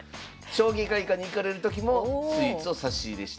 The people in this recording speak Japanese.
将棋会館に行かれるときもスイーツを差し入れしていくと。